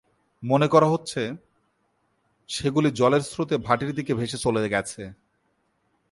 মনে করা হচ্ছে, সেগুলি জলের স্রোতে ভাটির দিকে ভেসে চলে গেছে।